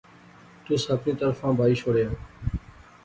تُس اپنی طرفاں بائی شوڑیا